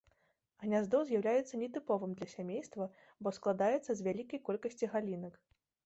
Гняздо з'яўляецца нетыповым для сямейства, бо складаецца з вялікай колькасці галінак.